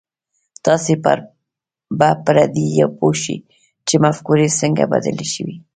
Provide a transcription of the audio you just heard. تاسې به پر دې پوه شئ چې مفکورې څنګه بدلې شوې.